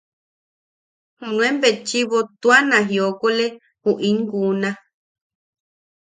Junuen betchiʼʼibo tua na jiokole ju in kuuna.